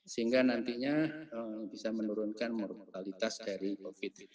sehingga nantinya bisa menurunkan mortalitas dari covid sembilan belas